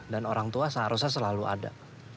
dan orang tua seharusnya selalu ada